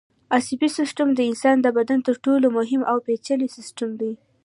عصبي سیستم د انسان د بدن تر ټولو مهم او پېچلی سیستم دی.